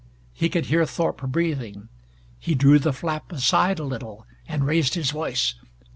He could hear Thorpe breathing. He drew the flap aside a little, and raised his voice.